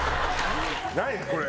何これ？